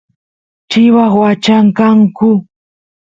chivas wachachkanku